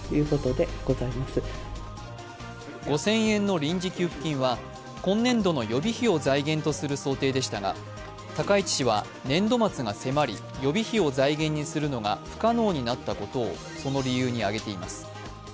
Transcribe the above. ５０００円の臨時給付金は今年度の予備費を財源とする想定でしたが高市氏は年度末が迫り予備費を財源にするのが不可能になったことをその理由に挙げています。